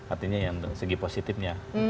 artinya yang segi positifnya